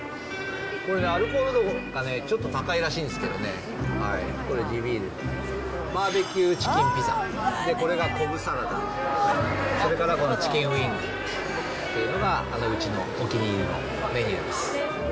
これね、アルコール度がちょっと高いらしいんですけどね、これ、地ビール。バーベキューチキンピザ、これがコブサラダ、それからこのチキンウィングっていうのが、うちのお気に入りのメニューです。